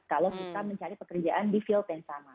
kalau kita mencari pekerjaan di field yang sama